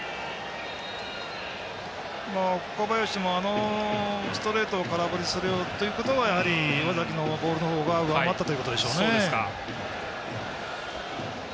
岡林も、あのストレートを空振りするということはやはり岩崎のボールの方が上回ったということでしょうね。